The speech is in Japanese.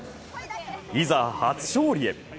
いざ初勝利へ。